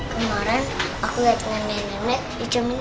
kemaren aku liat dengan nenek nenek di cermin ini